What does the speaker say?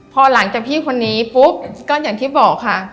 พอหลังจากพี่คนนี้ปุ๊บก็อย่างที่บอกค่ะ